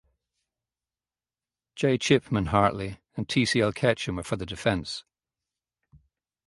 J. Chipman Hartley and T C L Ketchum were for the defense.